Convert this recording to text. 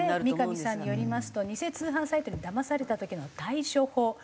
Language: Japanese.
三上さんによりますと偽通販サイトにだまされた時の対処法。